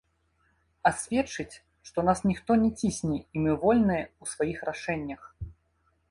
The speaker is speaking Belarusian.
А сведчыць, што на нас ніхто не цісне і мы вольныя ў сваіх рашэннях.